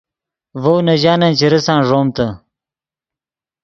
ڤؤ نے ژانن چے ریسان ݱومتے